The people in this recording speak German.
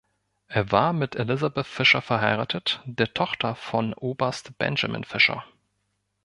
Er war mit Elizabeth Fisher verheiratet, der Tochter von Oberst Benjamin Fisher.